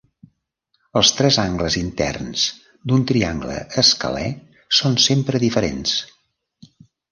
Els tres angles interns d'un triangle escalè són sempre diferents.